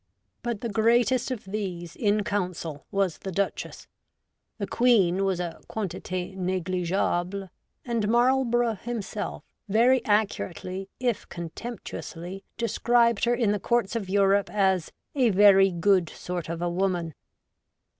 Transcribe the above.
But the greatest of these, in council, was the Duchess. The Queen was a quantiti ndglig^able, and Marlborough himself, very accurately, if contemptuously, described her in the Courts of Europe as ' a very good sort of a woman.'